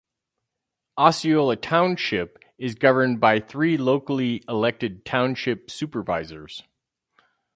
Osceola Township is governed by three locally elected Township Supervisors.